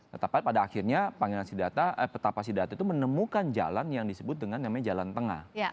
tetapi pada akhirnya petapasi data itu menemukan jalan yang disebut dengan namanya jalan tengah